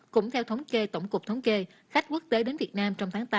cũng theo thống kê tổng cục thống kê khách quốc tế đến việt nam trong tháng tám